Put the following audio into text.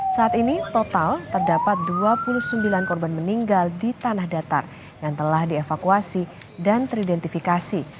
saat ini total terdapat dua puluh sembilan korban meninggal di tanah datar yang telah dievakuasi dan teridentifikasi